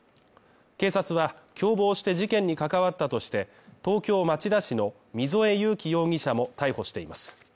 警察は、共謀して事件に関わったとして、東京・町田市の溝江悠樹容疑者も逮捕しています。